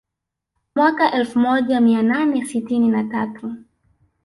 Mwaka wa elfu moja mia nane sitini na tatu